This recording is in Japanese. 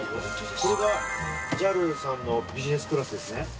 これがＪＡＬさんのビジネスクラスですね。